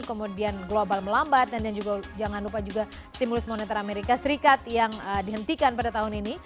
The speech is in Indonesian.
kemudian global melambat dan juga jangan lupa juga stimulus moneter amerika serikat yang dihentikan pada tahun ini